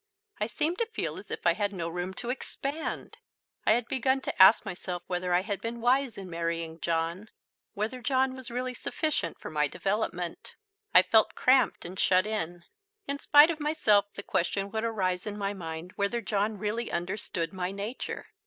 I seemed to feel as if I had no room to expand. I had begun to ask myself whether I had been wise in marrying John, whether John was really sufficient for my development. I felt cramped and shut in. In spite of myself the question would arise in my mind whether John really understood my nature.